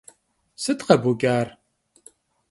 Sıt khebuç'ar?